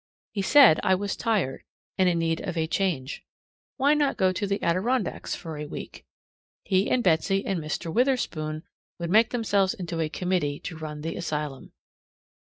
He said I was tired and in need of a change. Why not go to the Adirondacks for a week? He and Betsy and Mr. Witherspoon would make themselves into a committee to run the asylum.